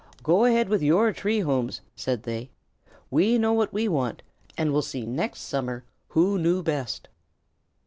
"Go ahead with your tree homes," said they. "We know what we want, and we'll see next summer who knew best."